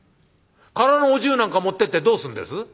「空のお重なんか持ってってどうすんです？」。